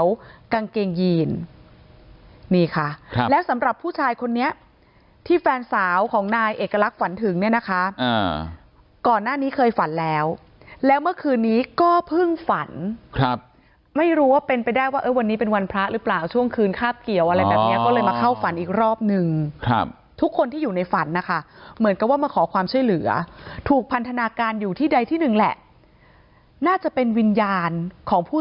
สีเขียวกางเกงยีนนี่ค่ะแล้วสำหรับผู้ชายคนนี้ที่แฟนสาวของนายเอกลักษณ์ฝันถึงเนี่ยนะคะก่อนหน้านี้เคยฝันแล้วแล้วเมื่อคืนนี้ก็เพิ่งฝันครับไม่รู้ว่าเป็นไปได้ว่าเออวันนี้เป็นวันพระหรือเปล่าช่วงคืนคาบเกี่ยวอะไรแบบนี้ก็เลยมาเข้าฝันอีกรอบนึงครับทุกคนที่อยู่ในฝันนะคะเหมือนกับว่ามาขอคว